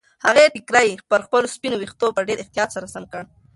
هغې ټیکری پر خپلو سپینو ویښتو په ډېر احتیاط سره سم کړ.